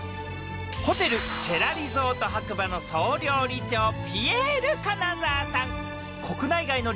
ホテルシェラリゾート白馬の総料理長ピエール金澤さん